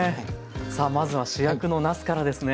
さあまずは主役のなすからですね。